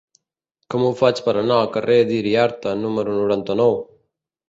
Com ho faig per anar al carrer d'Iriarte número noranta-nou?